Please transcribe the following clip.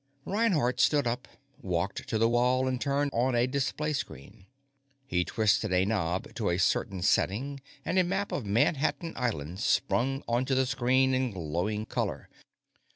Reinhardt stood up, walked to the wall, and turned on a display screen. He twisted a knob to a certain setting, and a map of Manhattan Island sprang onto the screen in glowing color.